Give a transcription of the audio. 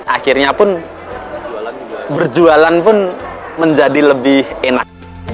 akhirnya pun berjualan pun menjadi lebih enak